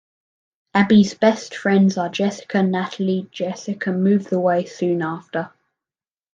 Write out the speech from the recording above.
Abby's best friends are Jessica, Natalie, Jessica moves away soon after.